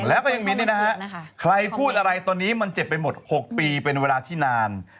แล้วก็ยังมีนี่นะฮะใครพูดอะไรตอนนี้มันเจ็บไปหมด๖ปีเป็นเวลาที่นาน